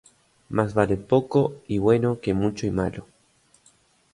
Más vale poco y bueno que mucho y malo